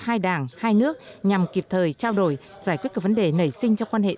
hai đảng hai nước nhằm kịp thời trao đổi giải quyết các vấn đề nảy sinh trong quan hệ